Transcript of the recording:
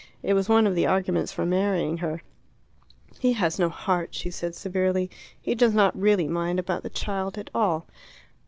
It was one of the arguments for marrying her." "He has no heart," she said severely. "He does not really mind about the child at all."